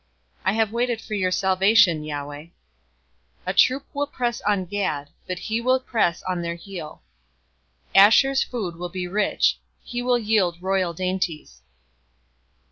049:018 I have waited for your salvation, Yahweh. 049:019 "A troop will press on Gad, but he will press on their heel. 049:020 "Asher's food will be rich. He will yield royal dainties.